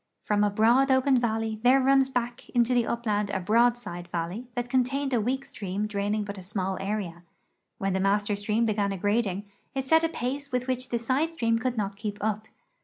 From a broad open valley there runs back into the upland a broad side valley that contained a weak stream draining but a small area. When the master stream began aggrading, it set a pace with which the side stream could not keep up.